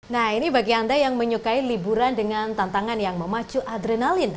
nah ini bagi anda yang menyukai liburan dengan tantangan yang memacu adrenalin